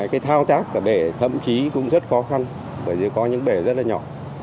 cái thao tác cả bể thậm chí cũng rất khó khăn bởi vì có những bể rất là nhỏ